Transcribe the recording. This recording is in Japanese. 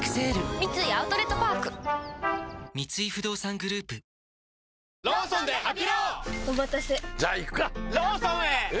三井アウトレットパーク三井不動産グループピックアップ